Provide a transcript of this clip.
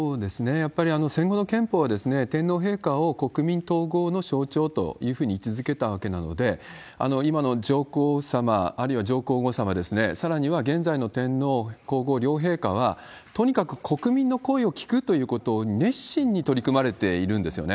やっぱり戦後の憲法は、天皇陛下を国民統合の象徴というふうに位置づけたわけなので、今の上皇さま、あるいは上皇后さま、さらには現在の天皇皇后両陛下は、とにかく国民の声を聞くということを熱心に取り組まれているんですよね。